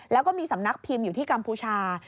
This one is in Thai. แล้วก็มีสำนักพิมพ์อยู่ที่กัมพูชา